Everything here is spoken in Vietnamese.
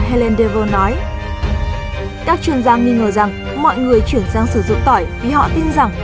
helen các chuyên gia nghi ngờ rằng mọi người chuyển sang sử dụng tỏi vì họ tin rằng